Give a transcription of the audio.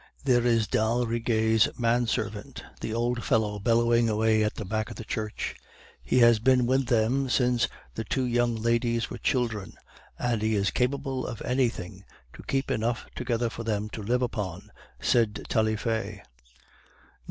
"'There is d'Aldrigger's man servant, the old fellow bellowing away at the back of the church; he has been with them since the two young ladies were children, and he is capable of anything to keep enough together for them to live upon,' said Taillefer.